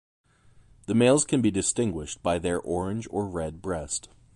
The males can be distinguished by their orange or red breast.